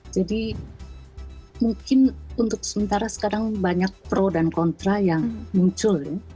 jadi mungkin untuk sementara sekarang banyak pro dan kontra yang muncul